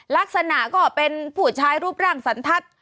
ลักษณะก็เป็นผู้ชายรูปร่างสันทัศน์